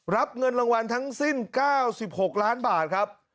รับเงินรางวัลทั้งสิ้น๙๖ล้านบาทครับ